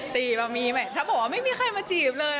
ตีแบบมีไหมถ้าบอกว่าไม่มีใครมาจีบเลย